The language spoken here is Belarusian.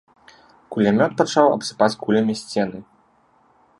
Кулямёт пачаў абсыпаць кулямі сцены.